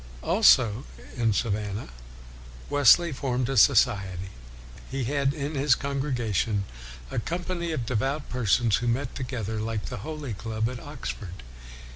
Also, in Savannah, Wesley formed a society. He had in his congregation a company of devout persons who met to gether like the Holy Club at Oxford.